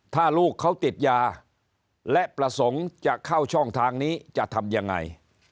ถ้าลูกเขาติดยาและประสงค์จะเข้าช่องทางนี้จะทำยังไง